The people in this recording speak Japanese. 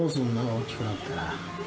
大きくなったら。